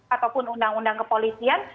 ataupun undang undang kepolisian